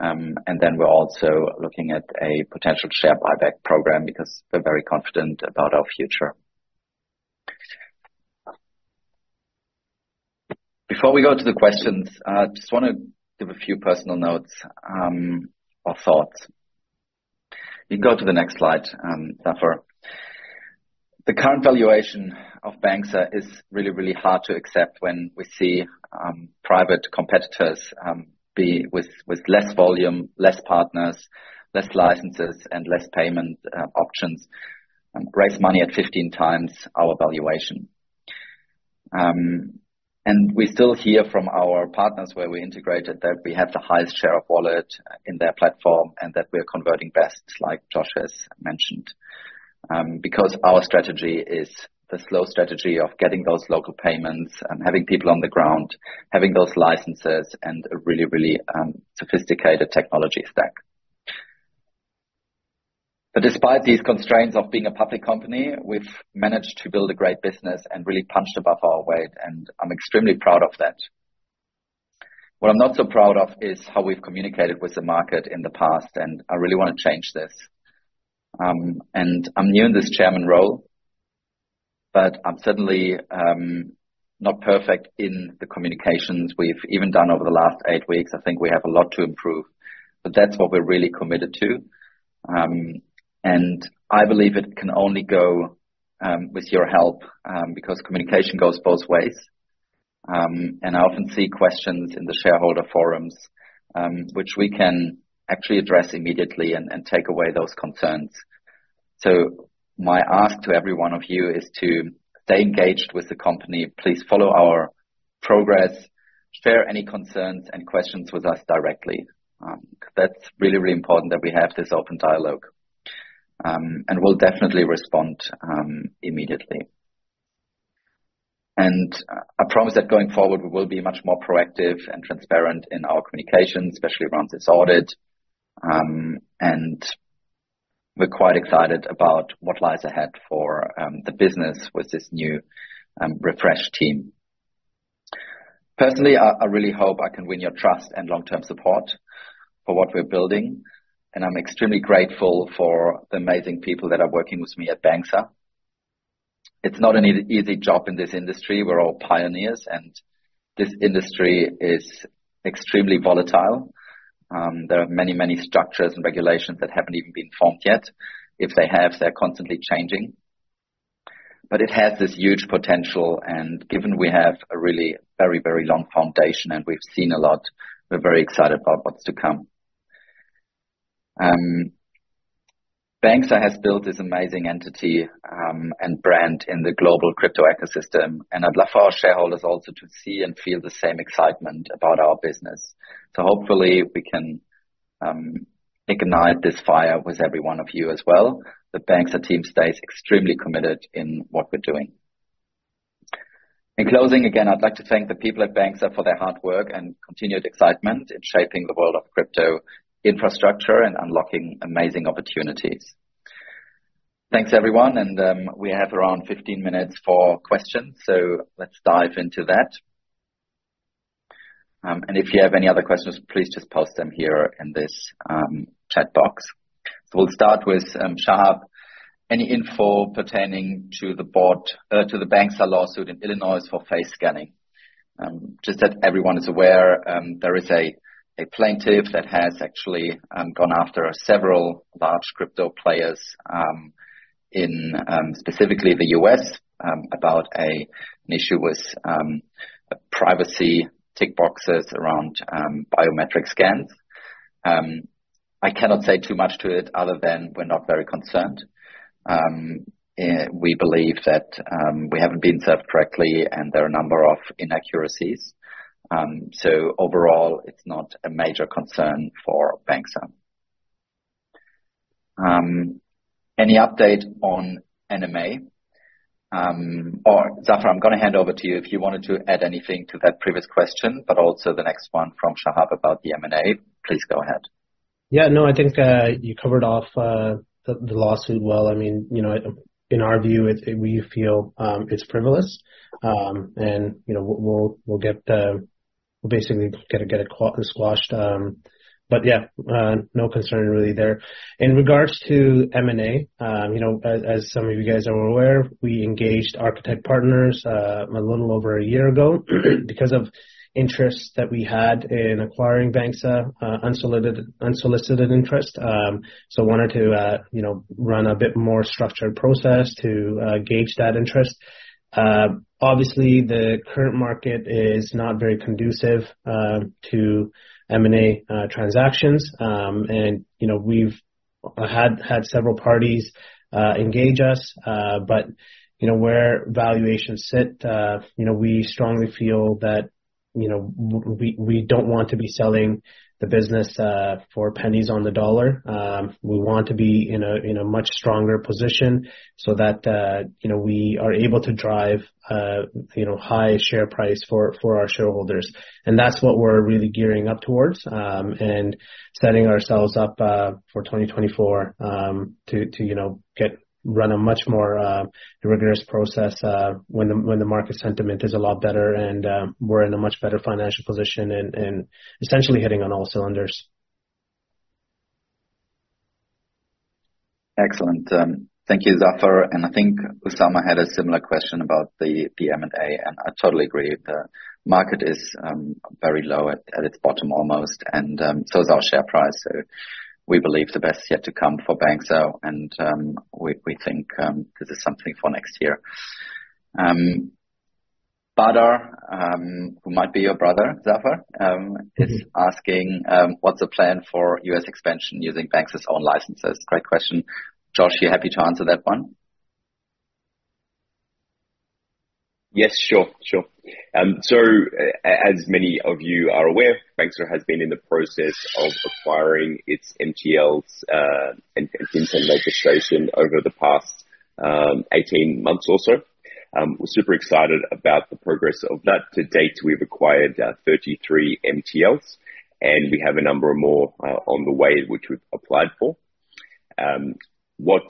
And then we're also looking at a potential share buyback program because we're very confident about our future. Before we go to the questions, I just wanna give a few personal notes or thoughts. You can go to the next slide, Zafer. The current valuation of Banxa is really, really hard to accept when we see private competitors be with less volume, less partners, less licenses, and less payment options raise money at 15 times our valuation. And we still hear from our partners where we integrated, that we have the highest share of wallet in their platform, and that we're converting best, like Josh has mentioned. Because our strategy is the slow strategy of getting those local payments and having people on the ground, having those licenses, and a really, really, sophisticated technology stack. But despite these constraints of being a public company, we've managed to build a great business and really punched above our weight, and I'm extremely proud of that. What I'm not so proud of is how we've communicated with the market in the past, and I really want to change this. And I'm new in this chairman role, but I'm certainly, not perfect in the communications we've even done over the last eight weeks. I think we have a lot to improve, but that's what we're really committed to. And I believe it can only go with your help, because communication goes both ways. And I often see questions in the shareholder forums, which we can actually address immediately and take away those concerns. So my ask to every one of you is to stay engaged with the company. Please follow our progress, share any concerns and questions with us directly. Because that's really, really important that we have this open dialogue. And we'll definitely respond immediately. And I promise that going forward, we will be much more proactive and transparent in our communication, especially around this audit. And we're quite excited about what lies ahead for the business with this new refresh team. Personally, I, I really hope I can win your trust and long-term support for what we're building, and I'm extremely grateful for the amazing people that are working with me at Banxa. It's not an easy job in this industry. We're all pioneers, and this industry is extremely volatile. There are many, many structures and regulations that haven't even been formed yet. If they have, they're constantly changing. But it has this huge potential, and given we have a really very, very long foundation and we've seen a lot, we're very excited about what's to come. Banxa has built this amazing entity, and brand in the global crypto ecosystem, and I'd love for our shareholders also to see and feel the same excitement about our business. So hopefully we can ignite this fire with every one of you as well. The Banxa team stays extremely committed in what we're doing. In closing, again, I'd like to thank the people at Banxa for their hard work and continued excitement in shaping the world of crypto infrastructure and unlocking amazing opportunities. Thanks, everyone, and we have around 15 minutes for questions, so let's dive into that. And if you have any other questions, please just post them here in this chat box. So we'll start with Shahab. Any info pertaining to the board to the Banxa lawsuit in Illinois for face scanning? Just that everyone is aware, there is a plaintiff that has actually gone after several large crypto players in specifically the U.S. about an issue with privacy tick boxes around biometric scans. I cannot say too much to it other than we're not very concerned. We believe that we haven't been served correctly, and there are a number of inaccuracies. So overall, it's not a major concern for Banxa. Any update on M&A? Or Zafer, I'm gonna hand over to you if you wanted to add anything to that previous question, but also the next one from Shahab about the M&A. Please go ahead. Yeah, no, I think you covered off the lawsuit well. I mean, you know, in our view, it. We feel it's frivolous. And, you know, we'll basically get it squashed. But yeah, no concern really there. In regards to M&A, you know, as some of you guys are aware, we engaged Architect Partners a little over a year ago, because of interest that we had in acquiring Banxa, unsolicited interest. So wanted to, you know, run a bit more structured process to gauge that interest. Obviously, the current market is not very conducive to M&A transactions. You know, we've had several parties engage us, but you know, where valuations sit, you know, we strongly feel that, you know, we don't want to be selling the business for pennies on the dollar. We want to be in a much stronger position so that, you know, we are able to drive, you know, high share price for our shareholders. That's what we're really gearing up towards, and setting ourselves up for 2024 to run a much more rigorous process when the market sentiment is a lot better and we're in a much better financial position and essentially hitting on all cylinders. Excellent. Thank you, Zafer, and I think Usama had a similar question about the, the M&A, and I totally agree. The market is, very low, at, at its bottom almost, and, so is our share price. So we believe the best is yet to come for Banxa, and, we, we think, this is something for next year. Badar, who might be your brother, Zafer, is asking, "What's the plan for U.S. expansion using Banxa's own licenses?" Great question. Josh, you happy to answer that one? Yes, sure, sure. So as many of you are aware, Banxa has been in the process of acquiring its MTLs, and legislation over the past 18 months or so. We're super excited about the progress of that. To date, we've acquired 33 MTLs, and we have a number of more on the way which we've applied for. What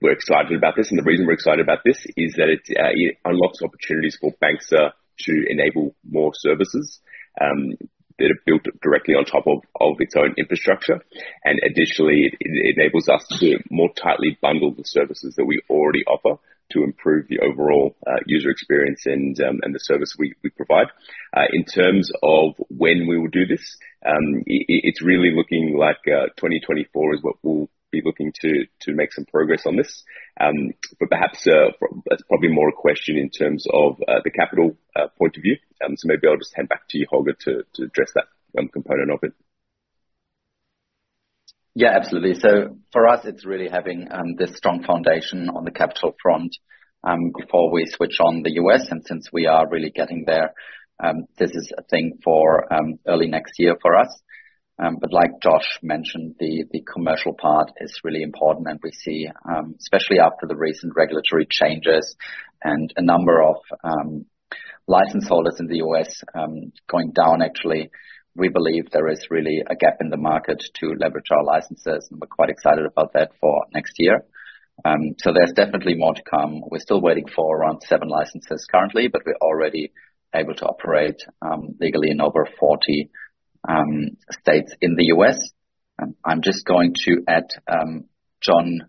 we're excited about this, and the reason we're excited about this, is that it unlocks opportunities for Banxa to enable more services that are built directly on top of its own infrastructure. Additionally, it enables us to more tightly bundle the services that we already offer to improve the overall user experience and the service we provide. In terms of when we will do this, it's really looking like 2024 is what we'll be looking to make some progress on this. But perhaps that's probably more a question in terms of the capital point of view. So maybe I'll just hand back to you, Holger, to address that component of it. Yeah, absolutely. So for us, it's really having this strong foundation on the capital front before we switch on the U.S., and since we are really getting there, this is a thing for early next year for us. But like Josh mentioned, the, the commercial part is really important, and we see especially after the recent regulatory changes and a number of license holders in the U.S. going down, actually, we believe there is really a gap in the market to leverage our licenses, and we're quite excited about that for next year. So there's definitely more to come. We're still waiting for around 7 licenses currently, but we're already able to operate legally in over 40 states in the U.S. I'm just going to add, John,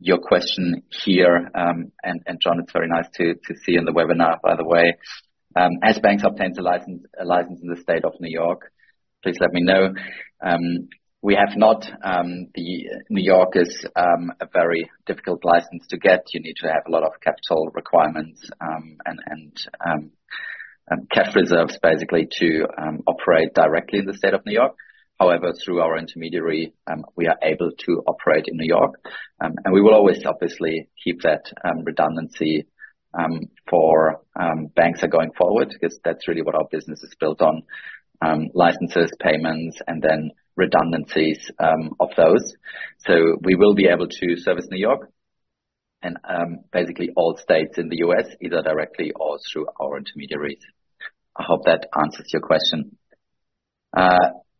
your question here. John, it's very nice to see you in the webinar, by the way. As Banxa obtains a license in the state of New York, please let me know. We have not. The New York is a very difficult license to get. You need to have a lot of capital requirements and cash reserves, basically, to operate directly in the state of New York. However, through our intermediary, we are able to operate in New York. And we will always obviously keep that redundancy for Banxa going forward, because that's really what our business is built on, licenses, payments, and then redundancies of those. So we will be able to service New York and basically all states in the U.S., either directly or through our intermediaries. I hope that answers your question.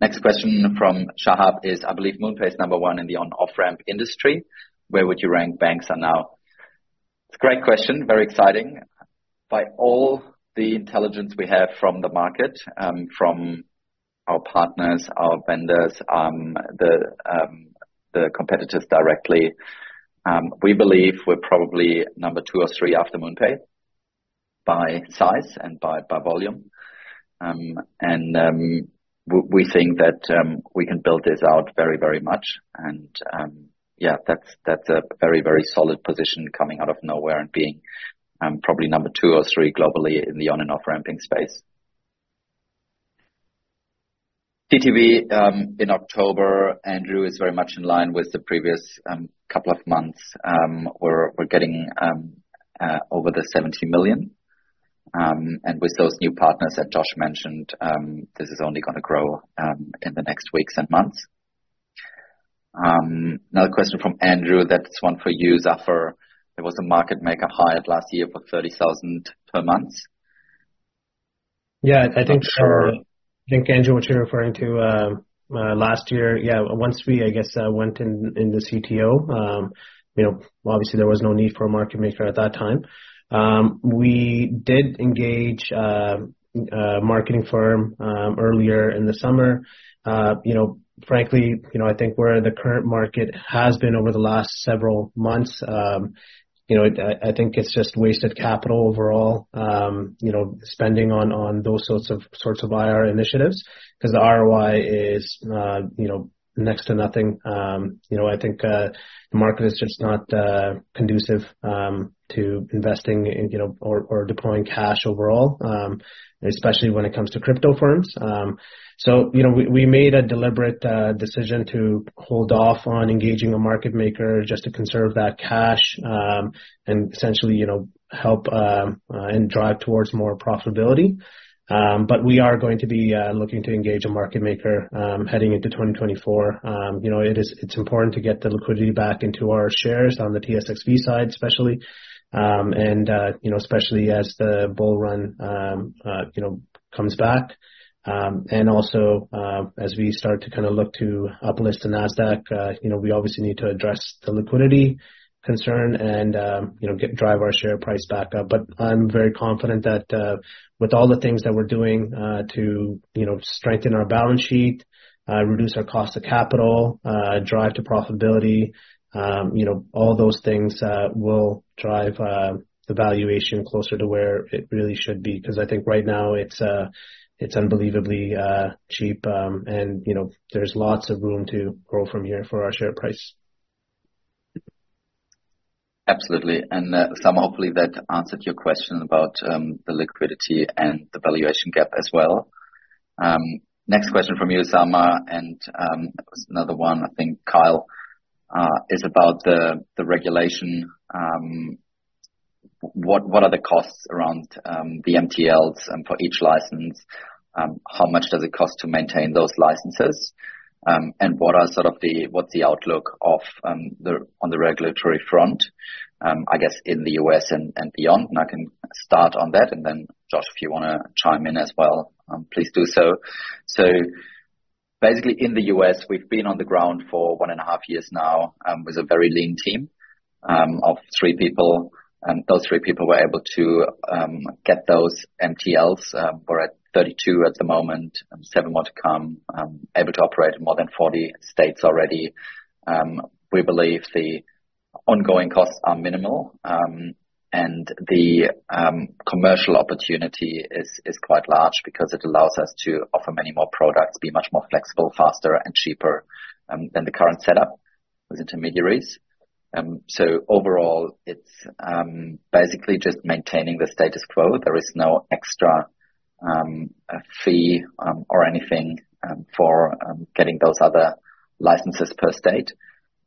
Next question from Shahab is, I believe MoonPay is number 1 in the on-off-ramp industry. Where would you rank Banxa now? It's a great question, very exciting. By all the intelligence we have from the market, from our partners, our vendors, the competitors directly, we believe we're probably number 2 or 3 after MoonPay, by size and by volume. And we think that we can build this out very, very much. And yeah, that's a very, very solid position coming out of nowhere and being probably number 2 or 3 globally in the on and off-ramping space. TTV in October, Andrew, is very much in line with the previous couple of months. We're getting over $70 million. With those new partners that Josh mentioned, this is only gonna grow in the next weeks and months. Another question from Andrew, that's one for you, Zafer. There was a market maker hired last year for 30,000 per month. Yeah, I think, I think, Andrew, what you're referring to last year. Yeah, once we, I guess, went in, in the MCTO, you know, obviously there was no need for a market maker at that time. We did engage a marketing firm earlier in the summer. You know, frankly, you know, I think where the current market has been over the last several months, you know, I, I think it's just wasted capital overall, you know, spending on, on those sorts of, sorts of IR initiatives, because the ROI is, you know, next to nothing. You know, I think, the market is just not conducive to investing in, you know, or, or deploying cash overall, especially when it comes to crypto firms. So, you know, we made a deliberate decision to hold off on engaging a market maker just to conserve that cash and essentially, you know, help and drive towards more profitability. But we are going to be looking to engage a market maker heading into 2024. You know, it's important to get the liquidity back into our shares on the TSXV side, especially and, you know, especially as the bull run, you know, comes back. And also, as we start to kind of look to uplist to Nasdaq, you know, we obviously need to address the liquidity concern and, you know, get drive our share price back up. I'm very confident that with all the things that we're doing to, you know, strengthen our balance sheet, reduce our cost of capital, drive to profitability, you know, all those things will drive the valuation closer to where it really should be. Because I think right now it's unbelievably cheap, and you know, there's lots of room to grow from here for our share price. Absolutely. And, some hopefully that answered your question about, the liquidity and the valuation gap as well. Next question from Usama, and, there's another one, I think, Kyle, is about the, the regulation. What, what are the costs around, the MTLs and for each license? How much does it cost to maintain those licenses? And what are sort of the, what's the outlook of, the, on the regulatory front, I guess, in the U.S. and, and beyond? And I can start on that, and then, Josh, if you want to chime in as well, please do so. So basically, in the U.S., we've been on the ground for one and a half years now, with a very lean team, of three people, and those three people were able to, get those MTLs. We're at 32 at the moment, and 7 more to come, able to operate in more than 40 states already. We believe the ongoing costs are minimal, and the commercial opportunity is quite large because it allows us to offer many more products, be much more flexible, faster and cheaper than the current setup with intermediaries. So overall, it's basically just maintaining the status quo. There is no extra fee or anything for getting those other licenses per state.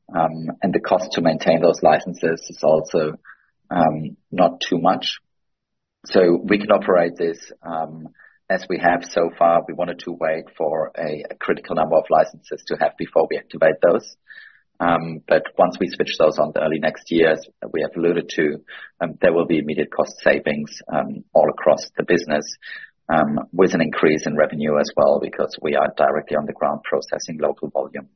And the cost to maintain those licenses is also not too much. So we can operate this as we have so far. We wanted to wait for a critical number of licenses to have before we activate those. But once we switch those on early next year, as we have alluded to, there will be immediate cost savings all across the business with an increase in revenue as well, because we are directly on the ground processing local volume.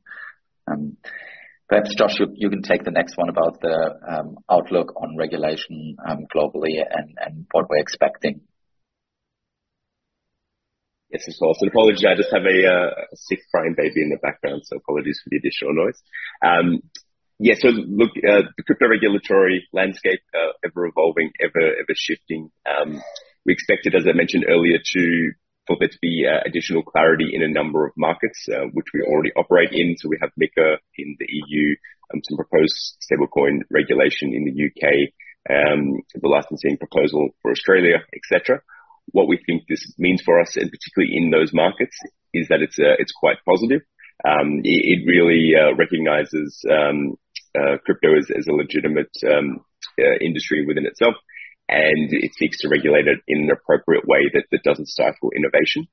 Perhaps, Josh, you can take the next one about the outlook on regulation globally and what we're expecting. ... Yes, of course, and apologies, I just have a sick crying baby in the background, so apologies for the additional noise. Yeah, so look, the crypto regulatory landscape, ever evolving, ever shifting. We expected, as I mentioned earlier, for there to be additional clarity in a number of markets, which we already operate in. So we have MiCA in the EU, and some proposed stablecoin regulation in the UK, the licensing proposal for Australia, et cetera. What we think this means for us, and particularly in those markets, is that it's quite positive. It really recognizes crypto as a legitimate industry within itself, and it seeks to regulate it in an appropriate way that doesn't stifle innovation.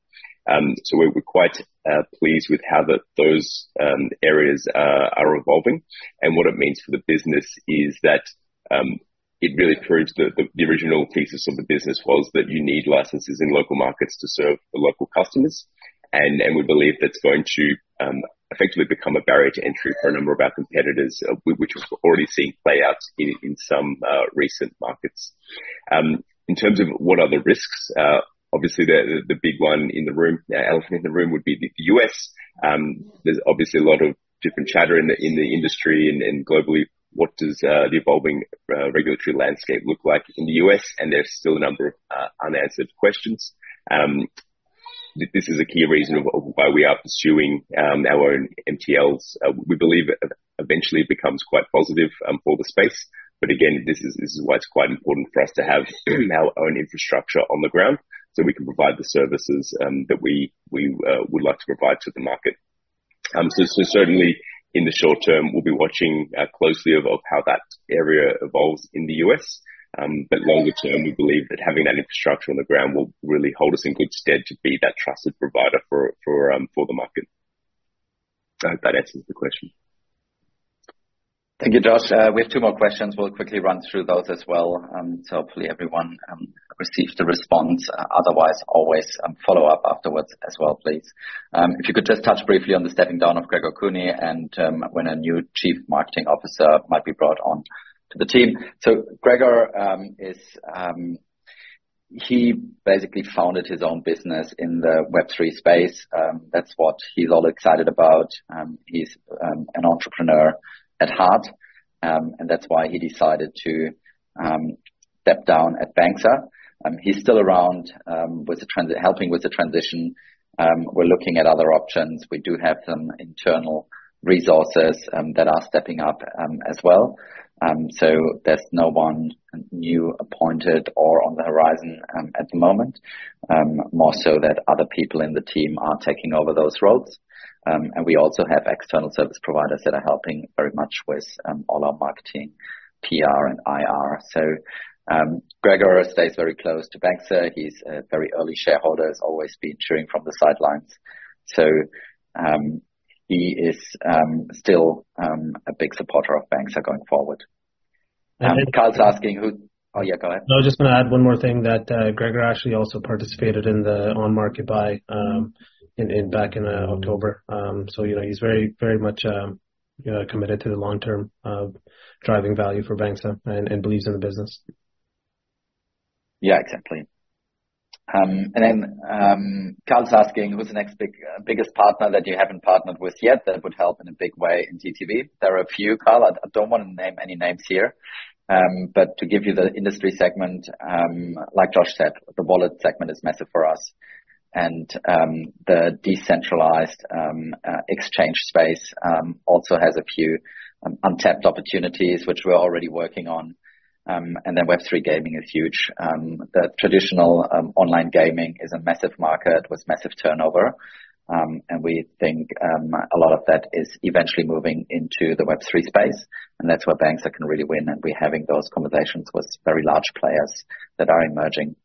So we're quite pleased with how those areas are evolving, and what it means for the business is that it really proves the original thesis of the business was that you need licenses in local markets to serve the local customers. We believe that's going to effectively become a barrier to entry for a number of our competitors, which we've already seen play out in some recent markets. In terms of what are the risks, obviously, the big one in the room, the elephant in the room, would be the U.S. There's obviously a lot of different chatter in the industry and globally, what does the evolving regulatory landscape look like in the U.S.? And there's still a number of unanswered questions. This is a key reason of why we are pursuing our own MTLs. We believe eventually it becomes quite positive for the space, but again, this is why it's quite important for us to have our own infrastructure on the ground, so we can provide the services that we would like to provide to the market. So, certainly in the short term, we'll be watching closely of how that area evolves in the U.S., but longer term, we believe that having that infrastructure on the ground will really hold us in good stead to be that trusted provider for the market. I hope that answers the question. Thank you, Josh. We have two more questions. We'll quickly run through those as well, so hopefully everyone receives the response. Otherwise, always follow up afterwards as well, please. If you could just touch briefly on the stepping down of Gregor Koenig and when a new Chief Marketing Officer might be brought on to the team. So Gregor is... He basically founded his own business in the Web3 space. That's what he's all excited about. He's an entrepreneur at heart, and that's why he decided to step down at Banxa. He's still around, helping with the transition. We're looking at other options. We do have some internal resources that are stepping up as well. So there's no one new appointed or on the horizon, at the moment. More so that other people in the team are taking over those roles. And we also have external service providers that are helping very much with all our marketing, PR, and IR. So, Gregor stays very close to Banxa. He's a very early shareholder, has always been cheering from the sidelines. So, he is still a big supporter of Banxa going forward. Carl's asking who— Oh, yeah, go ahead. No, I was just gonna add one more thing, that Gregor actually also participated in the on-market buy in back in October. So, you know, he's very, very much committed to the long term, driving value for Banxa and believes in the business. Yeah, exactly. And then, Carl's asking: Who's the next big, biggest partner that you haven't partnered with yet, that would help in a big way in TTV? There are a few, Carl. I don't want to name any names here, but to give you the industry segment, like Josh said, the wallet segment is massive for us. And, the decentralized exchange space also has a few untapped opportunities, which we're already working on. And then Web3 gaming is huge. The traditional online gaming is a massive market with massive turnover, and we think a lot of that is eventually moving into the Web3 space, and that's where Banxa can really win, and we're having those conversations with very large players that are emerging.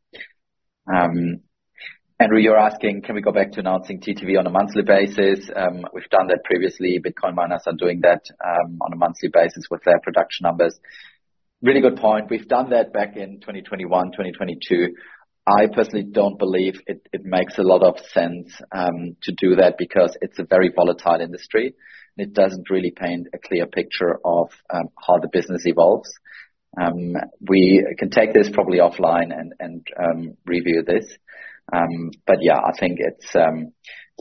Andrew, you're asking: Can we go back to announcing TTV on a monthly basis? We've done that previously. Bitcoin miners are doing that on a monthly basis with their production numbers. Really good point. We've done that back in 2021, 2022. I personally don't believe it, it makes a lot of sense to do that, because it's a very volatile industry. It doesn't really paint a clear picture of how the business evolves. We can take this probably offline and review this. But yeah, I think it's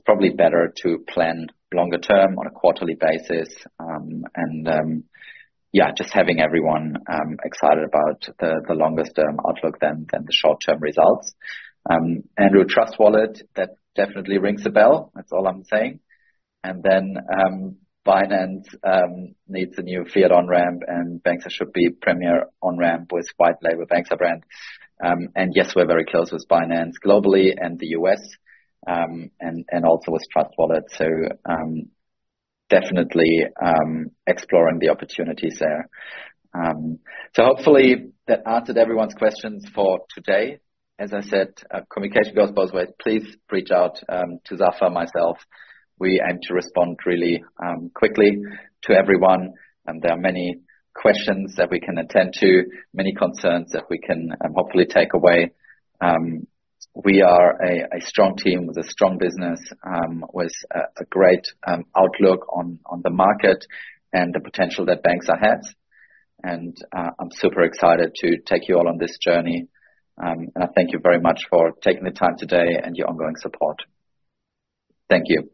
probably better to plan longer term on a quarterly basis, and yeah, just having everyone excited about the longer term outlook than the short-term results. Andrew, Trust Wallet, that definitely rings a bell. That's all I'm saying. And then, Binance needs a new fiat on-ramp, and Banxa should be premier on-ramp with white label Banxa brand. And yes, we're very close with Binance globally and the U.S., and also with Trust Wallet. So, definitely exploring the opportunities there. So hopefully that answered everyone's questions for today. As I said, communication goes both ways. Please reach out to Zafer or myself. We aim to respond really quickly to everyone, and there are many questions that we can attend to, many concerns that we can hopefully take away. We are a strong team with a strong business, with a great outlook on the market and the potential that Banxa has. And, I'm super excited to take you all on this journey. I thank you very much for taking the time today and your ongoing support. Thank you.